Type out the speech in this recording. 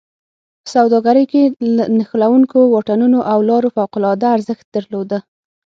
په سوداګرۍ کې نښلوونکو واټونو او لارو فوق العاده ارزښت درلوده.